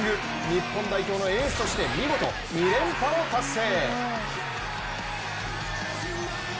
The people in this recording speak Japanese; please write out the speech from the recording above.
日本代表のエースとして見事２連覇を達成。